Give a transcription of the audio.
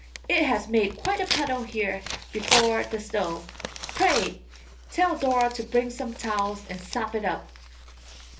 It has made quite a puddle here before the stove. Pray tell Dora to bring some towels and sop it up!"